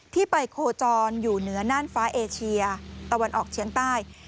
ที่ไปโคจรอยู่เหนือน่านฟ้าเอเชียตะวันออกเชียงใต้